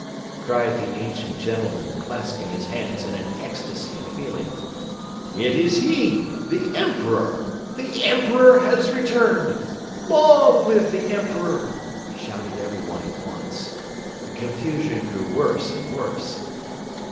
cried the ancient gentleman, clasping his hands in an ecstasy of feeling. "It is he! The Emperor! The Emperor has returned! Long live the Emperor!" shouted everyone at once. The confusion grew worse and worse.